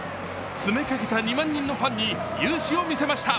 詰めかけた２万人のファンに雄姿を見せました。